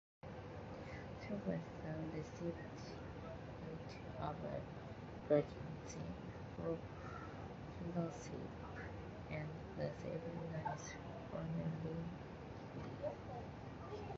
She was the recipient of a Guggenheim Fellowship and received nine honorary degrees.